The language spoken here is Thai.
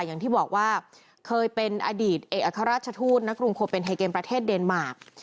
อย่างที่บอกว่าเคยเป็นอดีตเอกอัครราชทูตณกรุงโคเป็นไฮเกมประเทศเดนมาร์ค